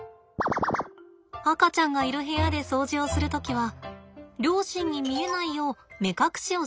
赤ちゃんがいる部屋で掃除をする時は両親に見えないよう目隠しをします。